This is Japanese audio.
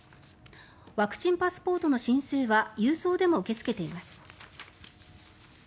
ワクチンパスポートの申請は郵送でも受け付けています。